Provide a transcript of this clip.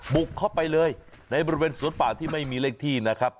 บุกเข้าไปเลยในบริเวณสวนป่าที่ไม่มีเลขที่นะครับ